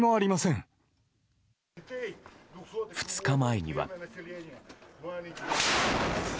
２日前には。